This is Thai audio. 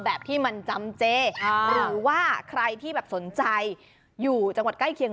แบบที่มันจำเจหรือว่าใครที่แบบสนใจอยู่จังหวัดใกล้เคียง